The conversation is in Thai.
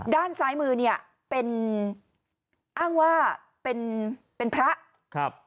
ด้านซ้ายมือเนี่ยเป็นอ้างว่าเป็นพระ